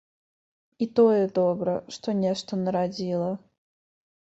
І тое добра, што нешта нарадзіла.